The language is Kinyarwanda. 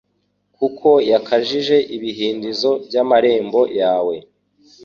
Kuko yakajije ibihindizo by’amarembo yawe